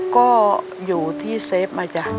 ก็อยู่ที่เซฟมาจ้ะ